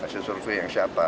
hasil survei yang siapa